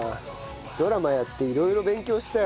ドラマやって色々勉強したよ